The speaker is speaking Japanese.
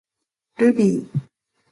ルビー